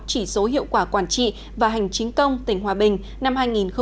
chỉ số hiệu quả quản trị và hành chính công tp năm hai nghìn một mươi tám